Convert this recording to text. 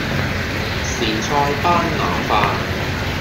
時菜班腩飯